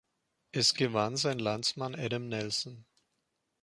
Es gewann sein Landsmann Adam Nelson.